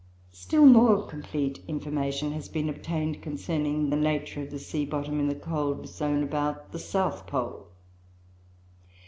Still more complete information has been obtained concerning the nature of the sea bottom in the cold zone around the south pole.